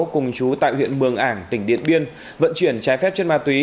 cùng chú tại huyện mường ảng tỉnh điện biên vận chuyển trái phép chất ma túy